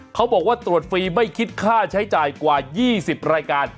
เขาบอกว่าตรวจฟรีไม่คิดค่าใช้จ่ายกว่า๒๐รายการ